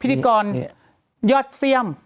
พิธีกรยอดเสี่ยม